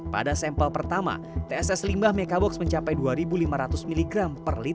pada sampel pertama tss limbah mekabox mencapai dua lima ratus mg